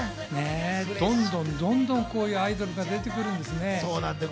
どんどんこういうアイドルが出てくるんですね。